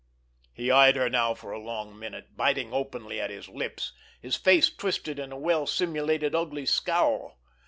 He eyed her now for a long minute, biting openly at his lip, his face twisted in a well simulated ugly scowl.